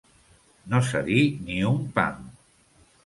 No cedir ni un pam.